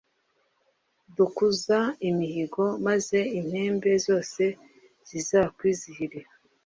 dukuza imihigo, maze impembe zose zizakwizihire